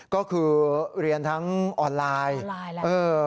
ก็คือเรียนทั้งออนไลน์แล้ว